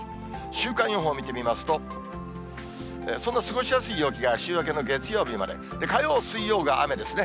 週間予報見てみますと、そんな過ごしやすい陽気が週明けの月曜日まで、火曜、水曜が雨ですね。